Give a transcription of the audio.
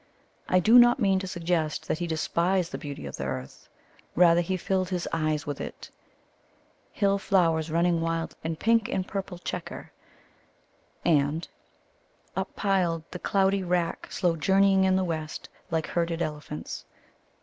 I do not mean to suggest that he despised the beauty of the earth. Rather he filled his eyes with it: Hill flowers running wild In pink and purple chequer and: Up pil'd, The cloudy rack slow journeying in the West, Like herded elephants.